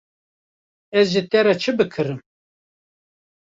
Ez ji te re çi bikirim.